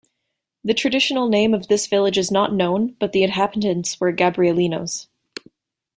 The traditional name of this village is not known, but the inhabitants were Gabrielinos.